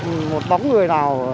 không có một bóng người nào